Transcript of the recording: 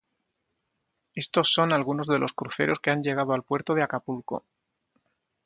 Estos son algunos de los cruceros que han llegado al puerto de Acapulco.